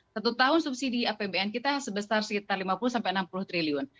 satu tahun subsidi apbn kita sebesar sekitar lima puluh enam puluh triliun